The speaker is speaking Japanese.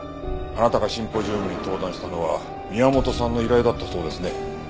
あなたがシンポジウムに登壇したのは宮本さんの依頼だったそうですね。